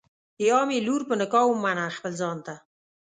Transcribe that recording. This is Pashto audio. یا مي لور په نکاح ومنه خپل ځان ته